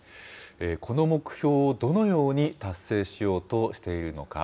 この目標をどのように達成しようとしているのか。